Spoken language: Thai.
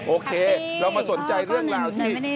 โอเคเรามาสนใจเรื่องราวที่